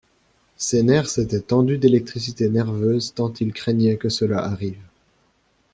Ses nerfs s’étaient tendus d’électricité nerveuse tant il craignait que cela arrive.